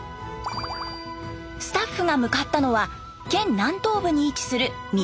スタッフが向かったのは県南東部に位置する三原市。